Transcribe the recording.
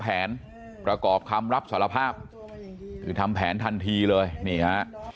แผนประกอบคำรับสารภาพคือทำแผนทันทีเลยนี่ฮะ